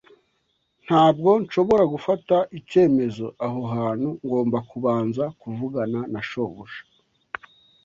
Ntabwo nshobora gufata icyemezo aho hantu. Ngomba kubanza kuvugana na shobuja.